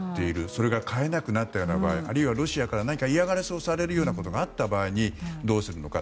それが買えなくなった場合あるいはロシアから嫌がらせをされることがあった場合にどうするのか。